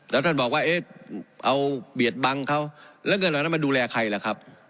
แล้วท่านบอกว่าเอ๊ะเอาเบียดบังเขาแล้วเงินเหล่านั้นมาดูแลใครล่ะครับ